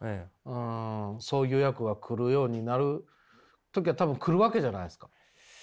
そういう役が来るようになる時が多分来るわけじゃないですか。